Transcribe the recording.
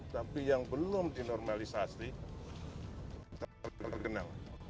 tapi yang belum dinormalisasi terkenal